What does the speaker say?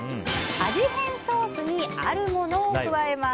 味変ソースにあるものを加えます。